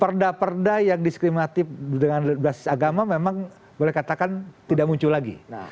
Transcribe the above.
perda perda yang diskriminatif dengan basis agama memang boleh katakan tidak muncul lagi